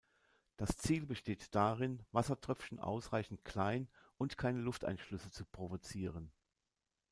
Das Ziel besteht darin, Wassertröpfchen ausreichend klein und keine Lufteinschlüsse zu provozieren.